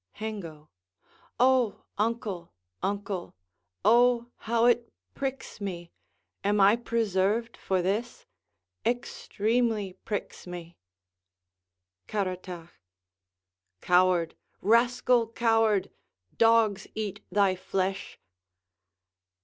Hengo Oh, uncle, uncle, Oh, how it pricks me! am I preserved for this? Extremely pricks me! Caratach Coward, rascal coward! Dogs eat thy flesh!